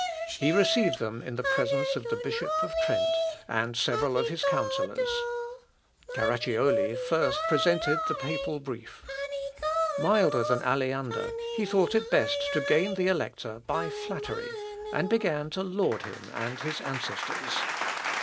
He received them in the presence of the Bishop of Trent, and several of his counsellors. Carracioli first presented the papal brief. Milder than Aleander, he thought it best to gain the Elector by flattery, and began to laud him and his ancestors.